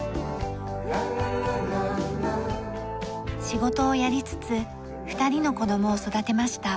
仕事をやりつつ２人の子供を育てました。